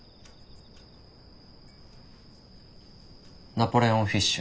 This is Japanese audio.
ナポレオンフィッシュ。